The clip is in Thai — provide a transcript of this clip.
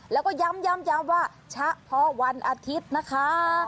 แล้วก็ย้ำว่าชะเพราะวันอาทิตย์นะคะ